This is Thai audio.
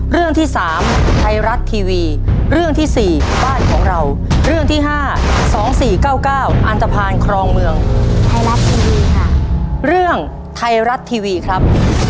เรื่องไทรัสทีวีครับ